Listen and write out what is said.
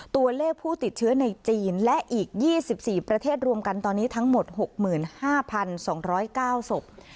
ตัวเลขผู้ติดเชื้อในจีนและอีก๒๔ประเทศรวมกันตอนนี้ทั้งหมด๖๕๒๐๙ศพ